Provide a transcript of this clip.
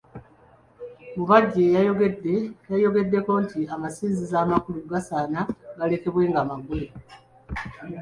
Mubajje yayongeddeko nti amasinzizo amakulu gasaana galekebwe nga maggule.